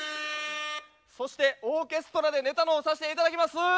そしてオーケストラでネタのほうさせて頂きます！